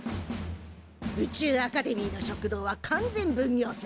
宇宙アカデミーの食堂は完全分業制。